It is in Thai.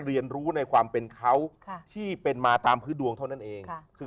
เรียนรู้ในความเป็นเขาที่เป็นมาตามพื้นดวงเท่านั้นเองคือ